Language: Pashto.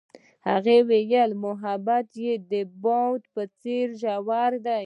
هغې وویل محبت یې د باد په څېر ژور دی.